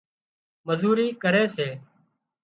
مزوري ڪري سي